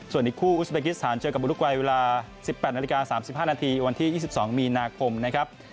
ส่วนอีกคู่อุสเบกิสถานเจอกับบุรุกวัยเวลา๑๘นาฬิกา๓๕นาทีวันที่๒๒มีนาคมนะครับ